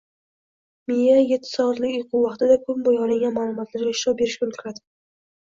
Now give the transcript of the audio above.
Miya etti soatlik uyqu vaqtida kun bo‘yi olingan ma’lumotlarga ishlov berishga ulguradi.